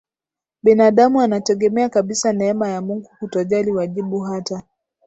binadamu anategemea kabisa neema ya Mungu kutojali wajibu hata